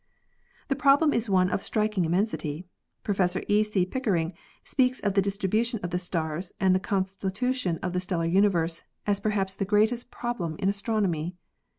The problem is one of striking immensity. Prof. E. C. Pickering speaks of the distribution of the stars and the constitution of the stellar universe as perhaps the greatest problem in astronomy.